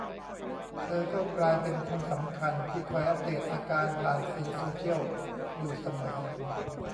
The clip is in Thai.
เธอก็กลายเป็นคนสำคัญที่คอยอัปเดตอาการผ่านสื่อโซเชียลอยู่เสมอ